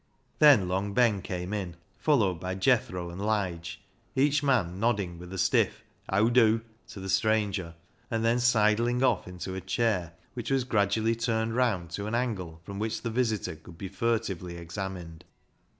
Then Long Ben came in, followed by Jethro and Lige, each man nodding with a stiff " How do ?" to the stranger, and then sidling off into a chair, which was gradually turned round to an angle from which the visitor could be furtively examined.